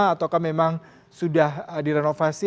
atau memang sudah direnovasi